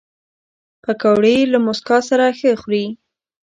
پکورې له موسکا سره ښه خوري